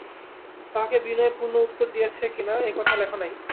তাঁহাকে বিনয়পূর্ণ উত্তর দিয়াছ কিনা, এ-কথা লেখ নাই।